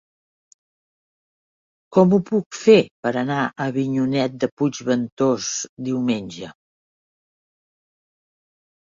Com ho puc fer per anar a Avinyonet de Puigventós diumenge?